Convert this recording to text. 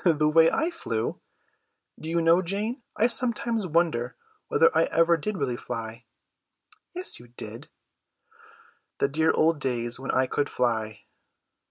"The way I flew? Do you know, Jane, I sometimes wonder whether I ever did really fly." "Yes, you did." "The dear old days when I could fly!"